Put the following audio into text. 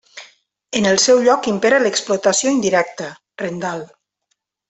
En el seu lloc impera l'explotació indirecta, rendal.